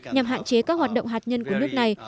nhằm hạn chế các hoạt động hạt nhân của nước này